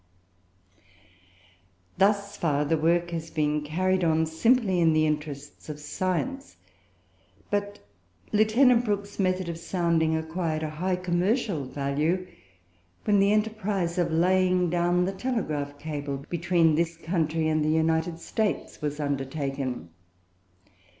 Thus far, the work had been carried on simply in the interests of science, but Lieut. Brooke's method of sounding acquired a high commercial value, when the enterprise of laying down the telegraph cable between this country and the United States was undertaken.